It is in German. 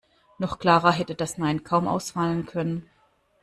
Noch klarer hätte das Nein kaum ausfallen können.